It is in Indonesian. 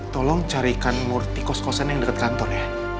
tolong carikan murti kos kosan yang dekat kantor ya